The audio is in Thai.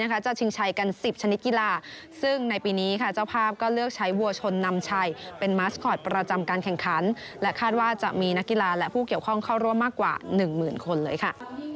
การแข่งขันกีฬานักและผู้เกี่ยวข้องเข้าร่วมมากกว่า๑หมื่นคนเลยค่ะ